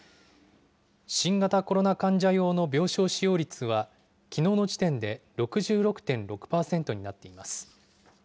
新型コロナ患者用の病床使用率は、きのうの時点で６６．６％になっています。